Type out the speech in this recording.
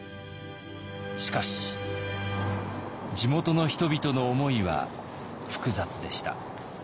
しかし地元の人々の思いは複雑でした。